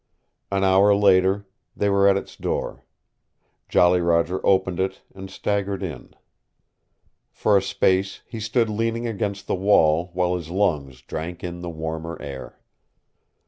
An hour later they were at its door. Jolly Roger opened it and staggered in. For a space he stood leaning against the wall while his lungs drank in the warmer air.